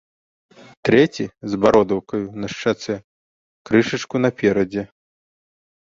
Трэці, з бародаўкаю на шчацэ, крышачку наперадзе.